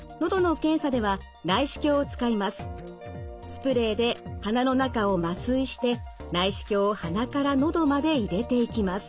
スプレーで鼻の中を麻酔して内視鏡を鼻から喉まで入れていきます。